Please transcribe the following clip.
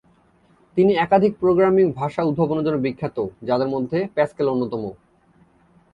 তিনি একাধিক প্রোগ্রামিং ভাষা উদ্ভাবনের জন্য বিখ্যাত, যাদের মধ্যে প্যাসকেল অন্যতম।